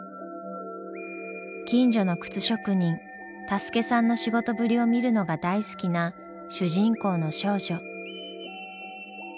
近所の靴職人タスケさんの仕事ぶりを見るのが大好きな主人公の少女。